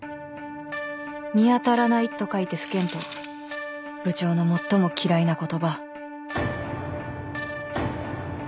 「見当たらない」と書いて「不見当」部長の最も嫌いな言葉